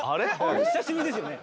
お久しぶりですよね？